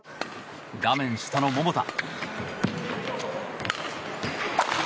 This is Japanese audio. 画面下の桃田。